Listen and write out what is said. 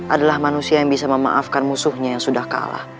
adalah manusia yang bisa memaafkan musuhnya yang sudah kalah